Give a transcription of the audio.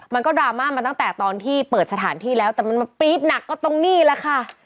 ดราม่ามาตั้งแต่ตอนที่เปิดสถานที่แล้วแต่มันมาปี๊บหนักก็ตรงนี้แหละค่ะ